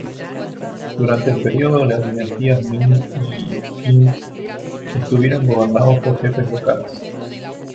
Durante el periodo de las dinastías Ming y Qing estuvieron gobernados por jefes locales.